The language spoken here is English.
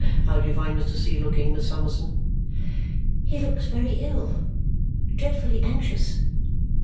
How do you find Mr. C. looking, Miss Summerson?" "He looks very ill. Dreadfully anxious."